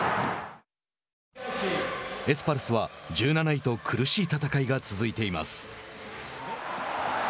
エスパルスは１７位と苦しい戦いが続いています。